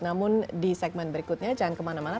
namun di segmen berikutnya jangan kemana mana